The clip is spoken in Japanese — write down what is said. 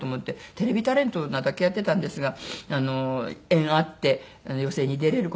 テレビタレントだけやってたんですが縁あって寄席に出られる事になりました。